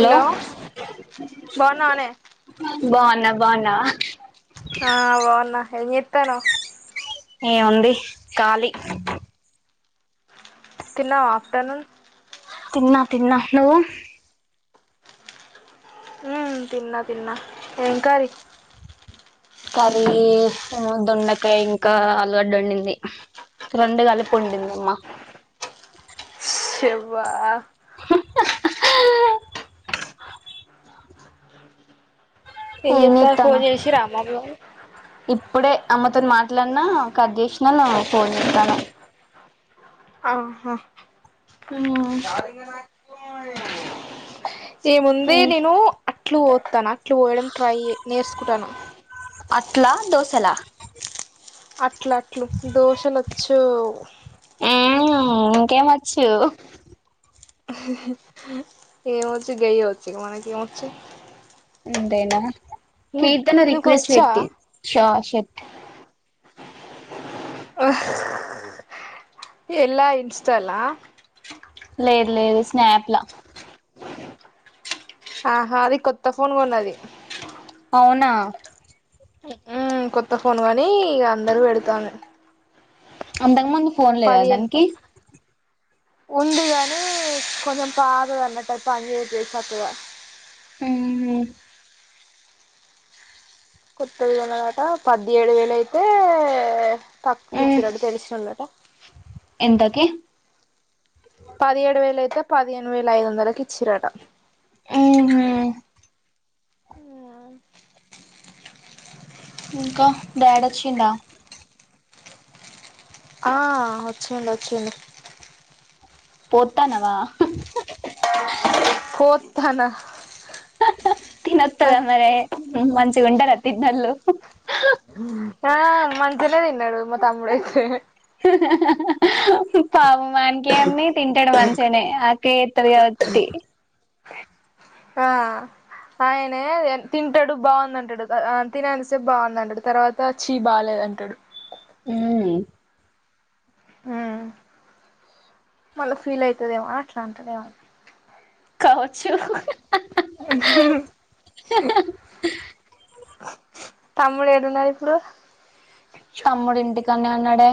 Hello బాగున్నవానే బాగున్న బాగున్నావా ఆ బాగున్నా ఏం చేతనవ్ ఎం ఉంది ఖాళీ తిన్నావా ఆఫ్టర్నూన్ తిన్నా తిన్నా నువ్వు ఉమ్ తిన్నా తిన్నా ఏం కర్రీ కర్రీ ఏమో దొండకాయ ఇంకా ఆలుగడ్డ వండింది రెండు కలిపి వండింది అమ్మా చెబ్బ ఏం చెత్తరు ఫోన్ చేసిరా అమ్మోళ్ళు ఇప్పుడే అమ్మతోని మాట్లాడిన కట్ చేసిన ను ఫోన్ చేతనవ్ ఆహా ఉమ్ ఎం ఉంది నేను అట్లు పోతన అట్లు పోయడం ట్రై నేర్చకుంటాన అట్లా దోసలా అట్ల అట్లు దోశలొచ్చు ఆ ఇంకేం వచ్చు ఏం వచ్చు గయి వచ్చు మనకి ఏం వచ్చు అంతేనా నీ కీర్తన నీకు రిక్వెస్ట్ వచ్చా పెట్టి షషర్ట్ ఎల్ల ఇన్స్టాల లేదు లేదు స్నాప్ల ఆహా అది కొత్త ఫోన్ కోన్నది అవునా కొత్త ఫోన్ కోనీ అందరూ పెడుతంది అంతక ముందు ఫోన్ లేదా పదిహేను దానికి ఉంది గాని కొంచెం పాతద అన్నట్ అది చెయ్యది చేయది సక్కగా ఉమ్ కొత్తది కొన్నదట పదిహేడు వేలు అయితే ఊ తక్కుకిచిరాట తెలిసినోళ్ళట ఎంతకి పదిహేడు వేల అయితే పదిహేను వేల ఐదు వందలకి ఇచ్చిరట ఆహ ఆ ఇంకా డాడ్ వచ్చిండా ఆ వచ్చిండు వచ్చిండు పోతానవా కోతనా తినతద మరి మంచింగుంటల్ల తిన్నోళ్ళు ఆ మంచినే తిన్నాడు మా తమ్ముడై తే పాపం వణికేంది తింటాడు మంచిగానే త్తాడు కాబట్టి ఆ ఆయనే తింటాడు బాగుందంటాడు తినే అంతసేపు బాగుందంటాడు తర్వా త చి బాలేదంటడు హ్మ్ హ్మ్ మళ్ళ ఫీల్ అయితదేమో అట్లా అంటదేమ కావచ్చు హ్మ్హ్మ్ తమ్ముడు ఏడున్నడు ఇప్పుడు తమ్ముడు ఇంటికనే ఉన్నడే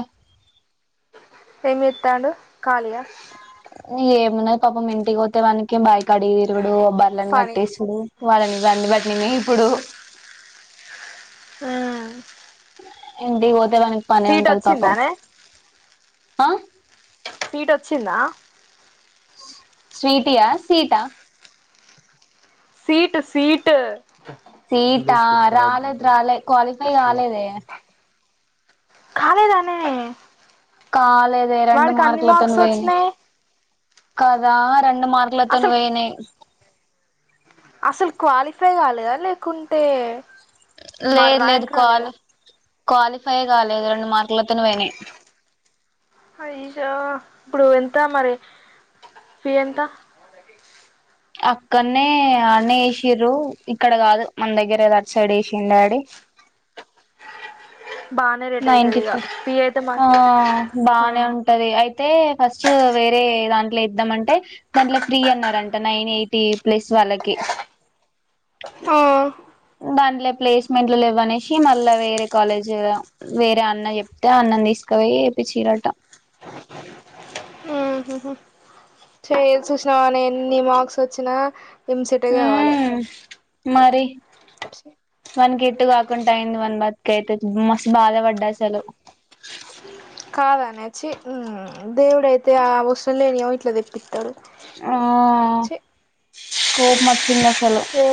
ఏం చెత్తండు కాలీయా ఏమున్నాది పాపం ఇంటికి పోతే వానీకి బైకడి తిరుగుడు బర్లని పని కట్టేసుడు వాళ్ళని వండి బట్టినీ మెపుడు ఆ ఇంటికి పోతే దానికి పనే ఉంటది పాపం, ఆ. సీట్ వచ్చిందా? స్వీటియా, సీటా? Seat, seat. సీటా రాలేదు రాలే క్వాలిఫై కాలేదే. కాలేదానే! కాలేదే రెండు వాడికి అన్ని మార్కులతోని మార్క్స్ పోయిన్నే. వచ్చినాయి కదా రెండు మార్కులతోని అసలు పోయినయి. అస్సలు క్వాలిఫై కాలేదా లేకుంటే మరి లేదు లేదు ర్యాంక్ రాలేదా క్వాలి క్వాలిఫైయే కాలేదు రెండు మార్కులతోని పోయినయి. ఇప్పుడు ఎంత మరి ఫీ ఎంత? అక్కన్నే అన్నే ఎశిర్రు, ఇక్కడ కాదు మన దగ్గర కాదు అటుసైడే ఎశిండు డాడీ. బానే రేట్ అయితది నైటీ ఇగ ఫైవ్ ఫీ అయితే మా ఆ ఆ బానే ఉంటది అయి అయితే ఫస్ట్ వేరే దాంట్లో ఎద్దమంటే దాంట్లో ఫ్రీ అన్నరంటా నైన్ ఎయిటీ ప్లస్ వాళ్ళకి. ఆ దాంట్లో ప్లేస్మెంట్లు లెవ్వనేశి మళ్ళా వేరే కాలేజ్ ల. వేరే అన్న చెప్తే అన్నను తీసుకపోయి ఏపిచ్చిరటా. ఆహాహా. చేయ్ చూశినవానే ఎన్ని మార్క్స్ వచ్చినా ఎంసెటే కావాలే. మ్మ్ మరి వానికి ఎటు కాకుంటా అయింది వాని బతుకయితే మస్త్ బాధపడ్డా అసలు. కాదనే చీ దేవుడైతే ఆ అవసరం లేనియేమో ఇట్లా తెప్పిత్తడు. ఆ ఛీ కోపం వచ్చింది అసలు ఏ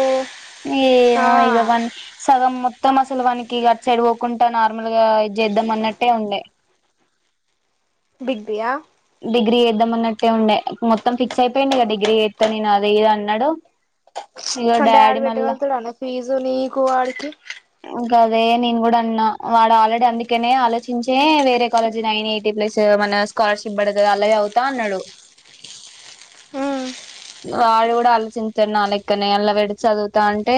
ఆ ఏమో ఇగ వాని సగం మొత్తం అసలు వానికి ఇగ అట్ సైడ్ పోకుంటా నార్మల్గా ఇది చేద్దాం అన్నట్టే ఉండే. డిగ్రీయా? డిగ్రీ చేద్దామన్నట్టే ఉండే మొత్తం ఫిక్స్ అయిపోయిండు ఇగ డిగ్రీ చేత్తా నేను అది ఇది అన్నడు, కని డాడీ పెట్టగలుగుతడానే ఫీజు నీకు, వాడికి. గదే నేను కూడా అన్నా, వాడు ఆల్రెడీ అందుకేనే ఆలోచించే వేరే కాలేజీ నైన్ ఎయిటీ ప్లస్ మన స్కాలర్షిప్ బడదు అల్ల చదువుతా అన్నడు. ఆ వాడు కూడా ఆలోచించుతడు నా లెక్కనే, అల్లా పెడి చదువుతా అంటే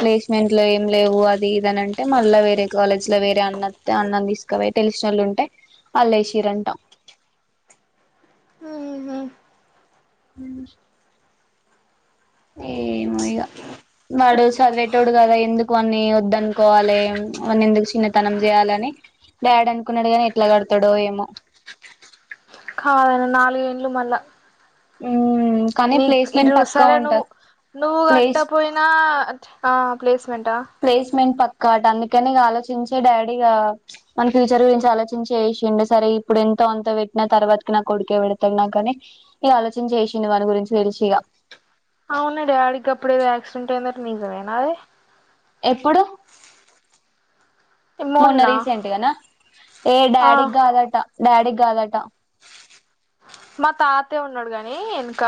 ప్లేస్మెంట్లు ఏం లేవు అ ది ఇదనంటే మళ్ళా వేరే కాలేజ్ల వేరే అన్న అత్తే అన్నను తీసుకపోయి తెలిశినోళ్ళు ఉంటే అల్లేశింరంటా. ఉహు హ్ ఏమో ఇగ. వాడు చదివేటోడు కదా ఎందుకు వాన్ని వద్దనుకోవాలే, వాన్ని ఎందుకు చిన్నతనం చేయాలని డాడీ అనుకున్నడు గాని ఎట్ల కడతడో ఏమో. కాదానే నాలుగేండ్లు మళ్ళా. హ్ నీకు ఇటు సరే నువ్వు నువ్వు ప్లేస్ కట్టపోయినా, ఆ ప్లేస్మెంటా ప్లేస్మెంట్ పక్కా అటా అందుకనే ఇగ ఆలోచించే డాడీ ఇగా వాని ఫ్యూచర్ గురించి ఆలోచించే ఎశిండు సరే ఇప్పుడు ఎంతో అంతా పెట్టినా తర్వాతకి నాకొడికే పెడతడు నాకని ఈ ఆలోచన చేసిం [unintelligible] అ గురించి తెలిసి ఇగ అవునా డాడీకి అప్పుడే ఏద యాక్సిడెంట్ అయిందే నిజమేనా అదే ఎప్పుడు మొన్న రీసెంట్గాన ఏ ఆ డాడీకి కాదాట డాడీకి కాదాట మా తాతే ఉన్నాడు గాని వెనక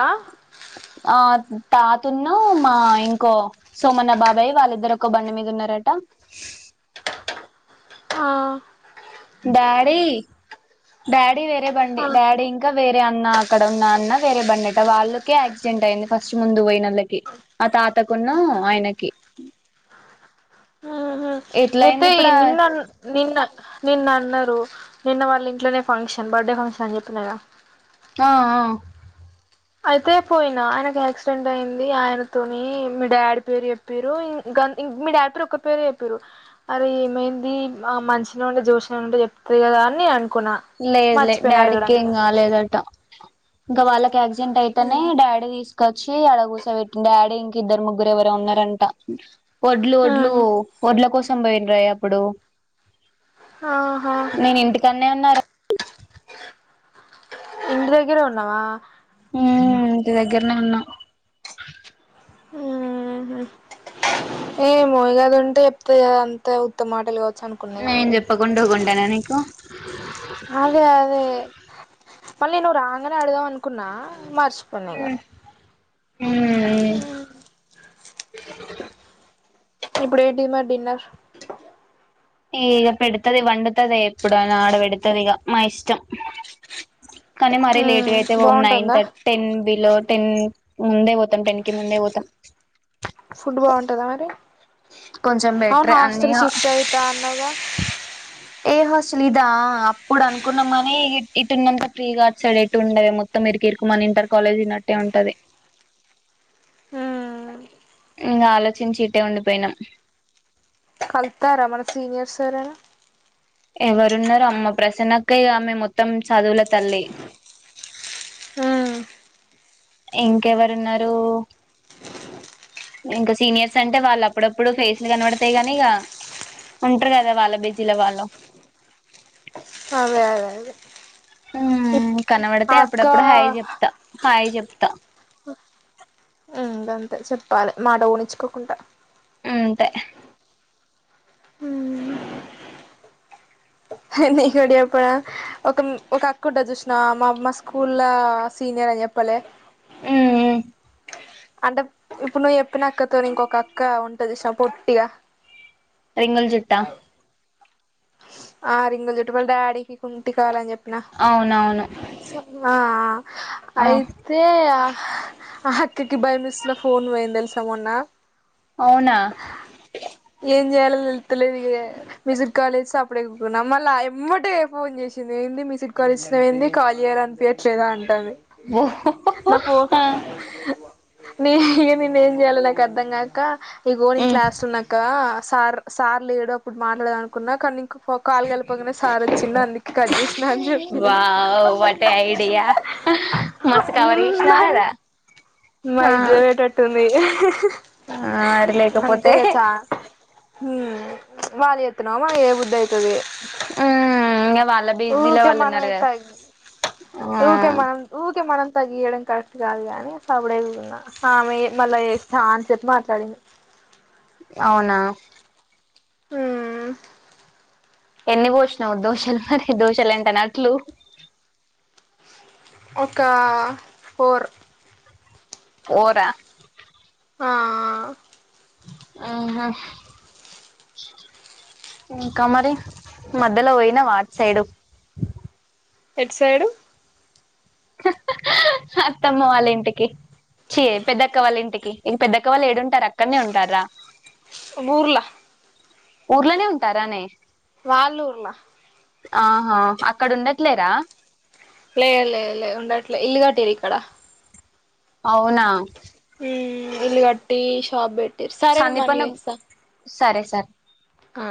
ఆ తాతున్న మా ఇంకో సోమన్న బాబాయి వాళ్ళిద్దరు ఒక బండి మీద ఉన్నారట ఆ డాడీ డాడీ వేరే బండి ఆ డాడీ ఇంకా వేరే అన్న అక్కడ ఉన్న అన్న వేరే బండిట వాళ్ళకే యాక్సిడెంట్ అయింది ఫస్ట్ ముందు పోయినోళ్ళకి ఆ తాతకున్న ఆయనకి ఆహా ఎట్ల అయితే అయింది ఇప్పుడు ఆ నిన్నన్ నిన్న నిన్న అన్నారు నిన్న వాళ్ళ ఇంట్లోనే ఫంక్షన్ బర్త్డే ఫంక్షన్ అని చెప్పినా గా ఆ అయితే పోయిన ఆయనకు యాక్సిడెంట్ అయింది ఆయనతోని మీ డాడీ పేరు చెప్ పేరు మీ యాడ [unintelligible] ఒక్కరి పేరు చెేపిరు అదే ఏమైంది ఆ మంచిన ఉంటే జ్యోసిన ఉంటే చెప్తంది కదా అని అ లేదు లే డాడీకి ఏం కాలేదట ఇంక వాళ్ళకి ఆక్సిడెంట్ అయితేనే డాడీ తీసు వచ్చి అడ కూస పెట్టి డాడీ ఇంక ఇద్దరు ముగ్గురు ఎవర ఉన్నారంట వడ్లు వడ్లు వడ్ల కోసం పోయినరే అప్పుడు ఆహా [unintelligible] ఇంటి దగ్గరే ఉన్నావా ఉ ఇంటి దగ్గరనే ఉన్నా ఉహు [unintelligible] ఉంటే చెప్తే అంతా ఉత్తమ మాటలు కావచ్చు అను నేన్ చెప్ప కుండ [unintelligible] అదే అదే మళ్ళీ నేను రాగానే అడుగుదాం అనుకున్నా మర్స్ [unintelligible] హు ఇప్పుడు [unintelligible] డిన్నర్ ఈక పె పెడుతది వంతదే ఎప్పుడు నా ఆడవ పెడతది ఇక మా ఇష్టం కానీ మారే లే మ్మ్ అయితే [unintelligible] నైన్ బాగుంటుందా టెన్ బిలో టెన్ ముందే పోతాం టెన్ కి ముందే పోతాం ఫుడ్ బాగుంటంద మరి కొంచెం అవును బెటరే అన్ని హాస్టల్ షిఫ్ట్ అయిత అన్నావు గా [unintelligible] ఇదా అప్పుడు అనుకున్నామని ఇటున్నంతా ఫ్రీగాచ్చడేటు ఉండవే మొ మొత్త [unintelligible] ఇరుకు మన ఇంటర్ కాలేజ్న్నట్టే ఉంటది మ్మ్ ఇంగా ఆలోచించి ఇట్టే ఉండిపోయినాం [unintelligible] మన సీనియర్స్ ఎవరైన ఎవరున్నారు అమ్మ ప్రసన్నకే ఆమె మొత్తం చదువుల తల్లి మ్మ్ ఇంకెవరు ఉన్నారు ఇంకా సీనియర్స్ అంటే వాళ్ళు అప్పుడప్పుడు ఫేస్లు కనబడతాయి కానీ ఇగ ఉంటరు కదా వాళ్ళ బీజీల వాళ్ళు అదే అదే అదే. హ ఇప్ కనబడితే ఆ అక్క అప్పుడప్పుడు హాయ్ చెప్తా హాయ్ చెప్తా. అంతే చెప్పాలి మాట కొనిచ్చుకోకుండా. అంతే. నీకు ఒకటి చెప్పనా ఒక ఒక అక్క చూసినవ మా మా స్కూల్ సీనియర్ అని చెప్. పలె. ఆ. అంటే ఇప్పుడు నువ్వు చెప్పినక్కతో ఇంకొక అక్క ఉంటదిష పొట్టిగా. రింగుల్ జుట్ట. ఆ రింగల్ చుట్టుపల్ల డాడీకి కుంటి కాలని చెప్పిన. అవునవును. సప్ మా ఆ ఆయి. ఆ అక్కకి భయమిస్ లో ఫోన్ పోయంది తెలుసా మొన్న. అవునా. ఏం చేయలో తెతులేదు మ్యూజక్. కాలేజ్ అప్పుడ ఎక్కున్నాం మళ్ళీ ఎమ్మటె ఫోన్ చేసింది ఏంది మీ సిట్ కాలేజ్ లో ఏంది కాలియర్ అని పేరు. లేదా అంటుంది ఓ నా ఫోన్. ఆ న ఇక నేను ఏం చేయాలి నాక అర్ధ కాక ఇగోని మ్మ్ క్లాస్ లోన్నాక సార్. సార్ లేడు అప్పుడు మాట్లాడ అనుకున్నా కానీ. కాలు కలిపనే సార్ వచ్చింది అందుక కట్ చేసిన అని చెప్పిన. వావ్ వాట్ ఏ ఐడియా మస్తు కవర్ చేసినావు కదా. ఆ మైద్యలో వేటట్టుంది ఆ మరి అంతే లేకపోతే కద చ. వాళ్ళు ఎతున్నా మా ఏ బుద్ధ అవుతది. మ్మ్ ఇంగ వాళ్ళ బిజీలో ఉకే వాళ్ళు మనం ఉన్నారు కదా ఎట్టాయి ఆ ఊకే మనం. ఊకే మనం తగగియడం కరెక్ట్ కాదుగానీ అస అవిడేవిన్నా. ఆమె మళ్ళా చేస్తాఅని చెప్పి మాట్లాడింది. అవునా. హ. ఎన్ని పోసినవ్ దోషలు మరి దోషలు ఎంట నట్లు. ఒక ఫోర్. ఓరా. ఆ. ఆహా. ఇంకా మరి మధలో పోయినావా అటు సైడు. ఎట్ సైడు. అత్తమ్మ వాళ్ళ ఇంటికి. చెయ పెద్దక్క వాళ్ళు ఇంటికి ఇక పెద్దక్క వాళ్ళు ఏడుంటారు అక్కడనే ఉంటారా. ఊర్లా. ఊర్లోనే ఉంటారానే. వాళ్ళూర్లా. ఆహా అక్కడుండట్లేరా. లే లే లే ఉండట్లే ఇల్లుగట్టిరిక్కడ. అవునా. ఉ ఇల్ గట్టి షాప్ బెట్. సందీపన్న సరే సర్. ఆ